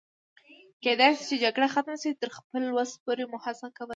کېدای شي چې جګړه ختمه شي، تر خپلې وسې مو هڅه کول.